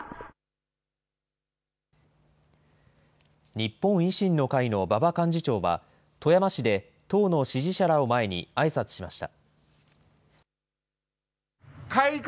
日本維新の会の馬場幹事長は、富山市で党の支持者らを前にあいさつしました。